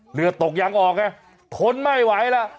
เหลือตกยังออกไงทนไม่ไหวล่ะ